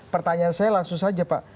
pertanyaan saya langsung saja pak